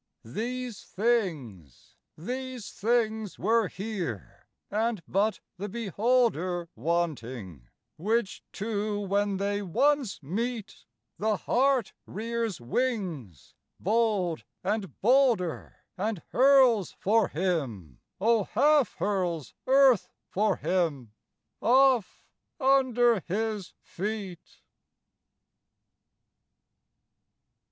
These things, these things were here and but the beholder Wanting; which two when they once meet, The heart rears wings bold and bolder And hurls for him, O half hurls earth for him off under his feet.